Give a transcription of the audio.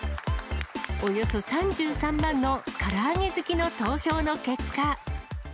およそ３３万のから揚げ好きの投票の結果。